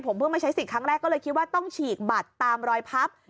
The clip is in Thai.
ผมเพิ่งมาใช้สิทธิ์ครั้งแรกก็เลยคิดว่าต้องฉีกบัตรตามรอยพับ